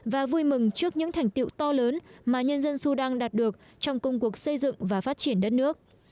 và vui mừng trước những thành tiệu to lớn mà nhân dân sudan đạt được trong công cuộc xây dựng và phát triển đất nước